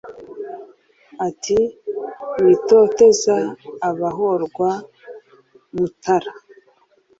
ati : witoteza abahorwa mutara